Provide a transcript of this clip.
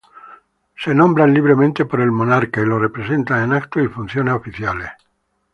Son nombrados libremente por el Monarca y lo representan en actos y funciones oficiales.